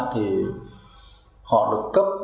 thì họ được cấp